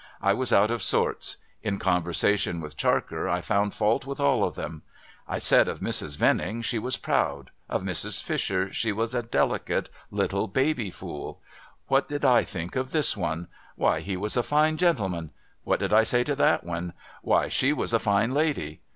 I was out of sorts ; in conversation with Charker, I found fault with all of them. I said of Mrs. \'enning, she was proud ; of Mrs. Fisher, she was a delicate little baby fool. What did I think of this one ? Why, he was a fine gentjeman. What did I say to that one ? AVhy, she was a fine lady.